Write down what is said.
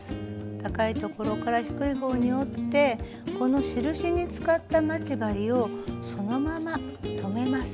高い所から低い方に折ってこの印に使った待ち針をそのまま留めます。